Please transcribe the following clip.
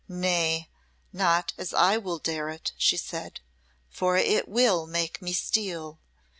"Nay! not as I will dare it," she said, "for it will make me steel.